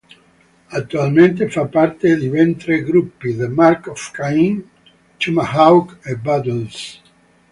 Attualmente fa parte di ben tre gruppi: The Mark of Cain, Tomahawk e Battles.